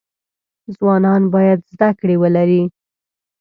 ځوانان باید زده کړی ولری